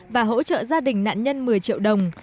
và hỗ trợ gia đình nạn nhân một mươi triệu đồng